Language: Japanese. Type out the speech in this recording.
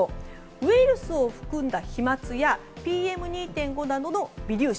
ウイルスを含んだ飛まつやＰＭ２．５などの微粒子